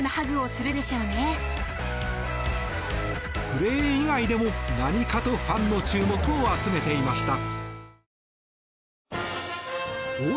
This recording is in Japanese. プレー以外でも、何かとファンの注目を集めていました。